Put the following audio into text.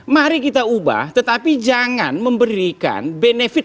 mari kita ubah tetapi jangan memberikan benefit